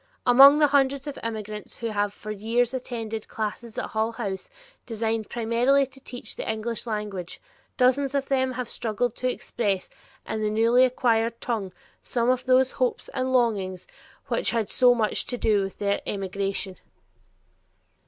Among the hundreds of immigrants who have for years attended classes at Hull House designed primarily to teach the English language, dozens of them have struggled to express in the newly acquired tongue some of these hopes and longings which had so much to do with their emigration.